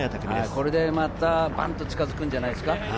これでまたバンと近づくんじゃないですか。